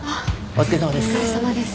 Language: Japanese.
お疲れさまです。